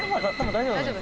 「大丈夫？」